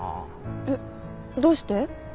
えっどうして？